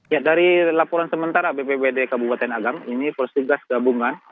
ya dari laporan sementara bppd kabupaten agam ini persugas gabungan